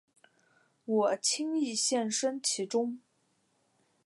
我轻易陷身其中